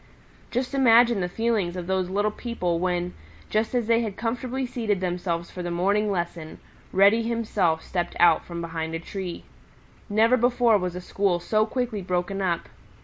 Just imagine the feelings of these little people when, just as they had comfortably seated themselves for the morning lesson, Reddy himself stepped out from behind a tree. Never before was a school so quickly broken up.